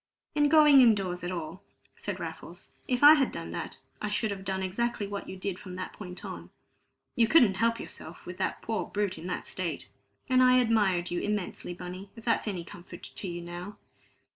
"In going in doors at all," said Raffles. "If I had done that, I should have done exactly what you did from that point on. You couldn't help yourself, with that poor brute in that state. And I admired you immensely, Bunny, if that's any comfort to you now."